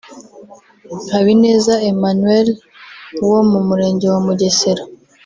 Habineza Emmanuel wo mu murenge wa Mugesera